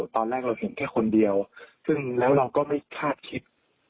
ตอนแรกเราเห็นแค่คนเดียวซึ่งแล้วเราก็ไม่คาดคิด